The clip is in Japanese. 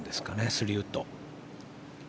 ３ウッド。